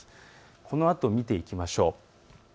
このあとを見ていきましょう。